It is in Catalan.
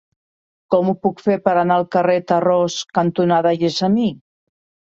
Com ho puc fer per anar al carrer Tarròs cantonada Gessamí?